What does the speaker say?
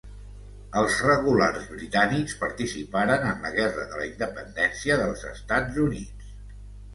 Els Regulars Britànics participaren en la Guerra de la Independència dels Estats Units.